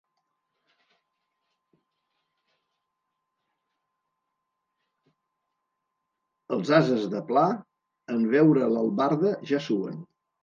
Els ases de pla, en veure l'albarda ja suen.